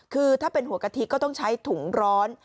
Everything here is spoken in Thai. คือถ้าเป็นหัวกะทิก็ต้องใช้ถุงร้อน